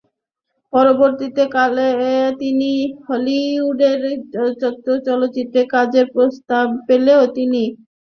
পরবর্তী কালে তিনি হলিউডের চলচ্চিত্রে কাজের প্রস্তাব পেলেও তিনি তা প্রত্যাখ্যান করেন এবং ফ্রান্স ও ইংল্যান্ডে কাজ চালিয়ে যান।